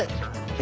え？